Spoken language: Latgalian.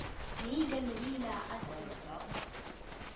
Mīga nivīnā acī.